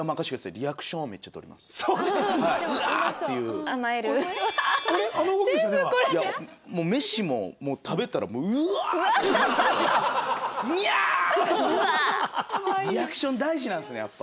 リアクション大事なんですねやっぱ。